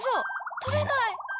取れない！